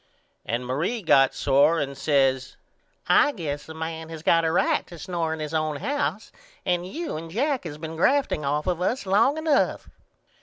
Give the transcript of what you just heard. And Marie got sore and says I guess a man has got a right to snore in his own house and you and Jack has been grafting off of us long enough.